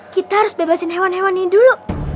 kita harus bebasin hewan hewan ini dulu